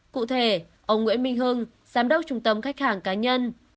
cụ thể ông nguyễn minh hưng giám đốc trung tâm khách hàng cá nhân